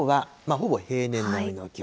きょうはほぼ平年並みの気温。